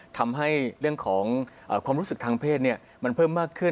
ทำให้เรื่องของความรู้สึกทางเพศมันเพิ่มมากขึ้น